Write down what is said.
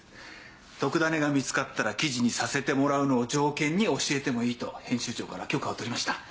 特ダネが見つかったら記事にさせてもらうのを条件に教えてもいいと編集長から許可を取りました。